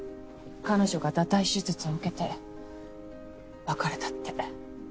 彼女が堕胎手術を受けて別れたって。